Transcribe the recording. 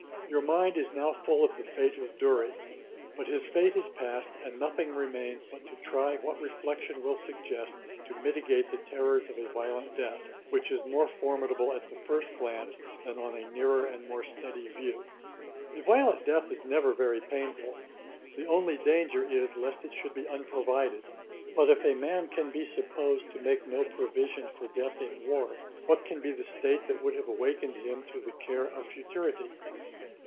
Your mind is now full of the fate of Dury; but his fate is past, and nothing remains but to try what reflection will suggest to mitigate the terrours of a violent death, which is more formidable at the first glance, than on a nearer and more steady view. A violent death is never very painful; the only danger is lest it should be unprovided. But if a man can be supposed to make no provision for death in war, what can be the state that would have awakened him to the care of futurity?